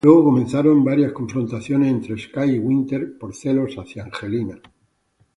Luego comenzaron varias confrontaciones entre Sky y Winter por celos hacia Angelina.